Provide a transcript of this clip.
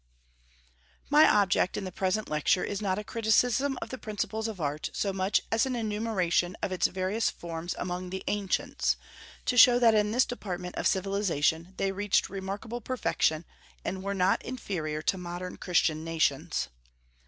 My object in the present lecture is not a criticism of the principles of art so much as an enumeration of its various forms among the ancients, to show that in this department of civilization they reached remarkable perfection, and were not inferior to modern Christian nations.